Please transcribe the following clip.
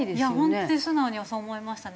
本当に素直にそう思いましたね。